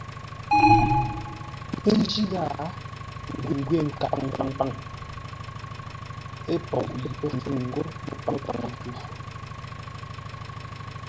Pə́ jí ghâa n ngwê nkaʼa paŋpaŋ ə́ poʼ yi pə́ fûŋ ńgó mə́páŋə-tû.